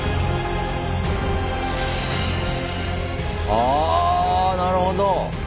ああなるほど！